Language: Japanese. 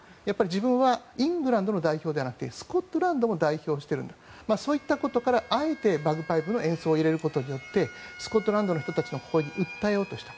自分はイングランドの代表ではなくてスコットランドも代表しているんだそういったことからあえてバグパイプの演奏を入れることによってスコットランドの人たちの心に訴えようとした。